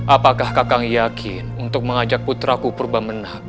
apakah kakak yakin untuk mengajak putraku purba menang